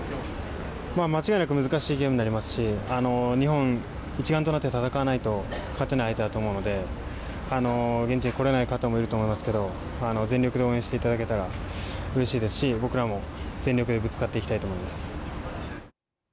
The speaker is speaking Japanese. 間違いなく難しいゲームになりますし日本一丸となって戦わないと勝てない相手だと思うので現地に来れない方もいると思いますけど全力で応援していただけたらうれしいですし、僕らも全力でぶつかっていきたいと思います。